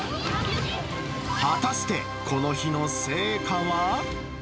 果たしてこの日の成果は？